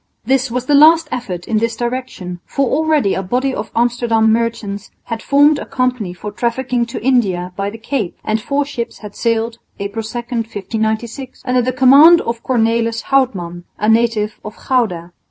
This was the last effort in this direction, for already a body of Amsterdam merchants had formed a company for trafficking to India by the Cape; and four ships had sailed, April 2, 1596, under the command of Cornelis Houtman, a native of Gouda.